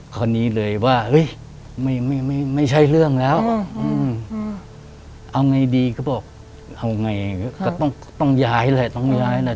คราวนี้เลยว่าไม่ใช่เรื่องแล้วเอาไงดีก็บอกเอาไงก็ต้องย้ายแหละต้องย้ายแหละ